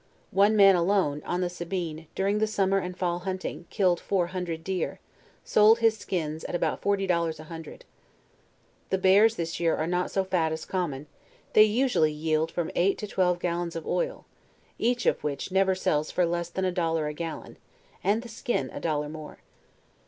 One man alone, on the Sabirie, dur ing the summer and fall hunting, killed four hundred deer, sold his skins at forty dollars a hundred. The bears this year are not so fat as comman; they usually yield from eight to twelve gallons of oil, each of which never sells for less than a dollar a gallon, and the skin a dollar more.